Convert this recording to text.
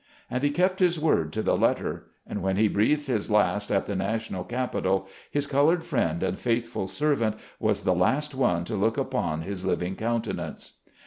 And he kept his word to the letter; and when he breathed his last at the national capital his colored friend and faithful servant was the last one to look upon his living countenance.